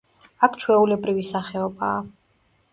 აქ ჩვეულებრივი სახეობაა.